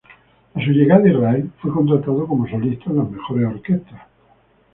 A su llegada a Israel, fue contratada como solista en las mejores orquestas.